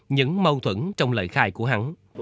những mâu thuẫn trong lời khai của hắn